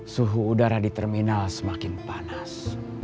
suhu udara di terminal semakin panas